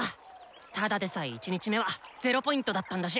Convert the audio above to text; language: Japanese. ただでさえ１日目は０Ｐだったんだし！